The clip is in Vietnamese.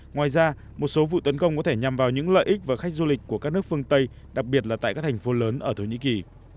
ngoài ra một số vụ tấn công có thể nhằm vào những lợi ích và khách du lịch của các nước phương tây đặc biệt là tại các thành phố lớn ở thổ nhĩ kỳ